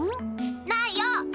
ないよ。